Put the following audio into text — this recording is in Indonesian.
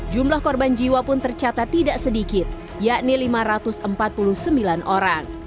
jumlah korban jiwa pun tercatat tidak sedikit yakni lima ratus empat puluh sembilan orang